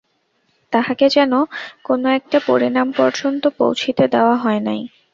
তাহাকে যেন কোনো-একটা পরিণাম পর্যন্ত পৌঁছিতে দেওয়া হয় নাই।